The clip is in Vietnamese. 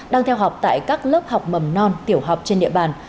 đang theo học tại các lớp học mầm non tiểu học trên địa bàn